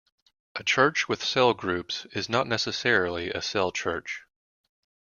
A church with cell groups is not necessarily a cell church.